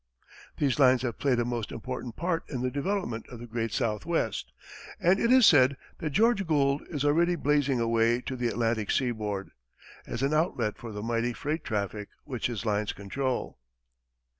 These lines have played a most important part in the development of the great Southwest, and it is said that George Gould is already blazing a way to the Atlantic seaboard, as an outlet for the mighty freight traffic which his lines control.